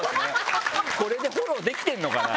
これでフォローできてるのかな？